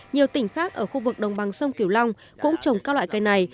nhiều tỉnh khác ở khu vực đồng bằng sông kiểu long cũng trồng các loại cây này